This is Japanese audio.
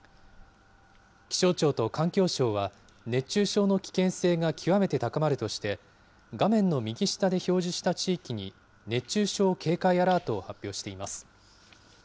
気象庁と環境省は、熱中症の危険性が極めて高まるとして、画面の右下で表示した地域に、熱中症警戒アラートを発表しています。